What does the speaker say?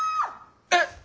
えっ？